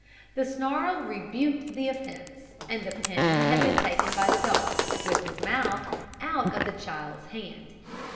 The snarl rebuked the offence, and the pin had been taken by the dog, with his mouth, out of the child's hand.